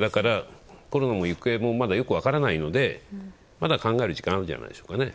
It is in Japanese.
だから、コロナの行方もまだよく分からないのでまだ考える時間はあるんじゃないでしょうかね。